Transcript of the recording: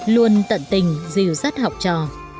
luôn tận tình dìu dắt học trò